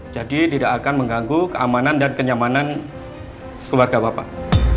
jadi tidak akan mengganggu keamanan dan kenyamanan keluarga bapak